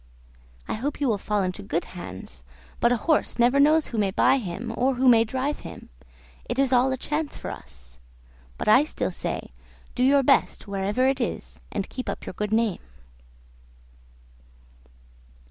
I hope you will fall into good hands; but a horse never knows who may buy him, or who may drive him; it is all a chance for us; but still I say, do your best wherever it is, and keep up your good name."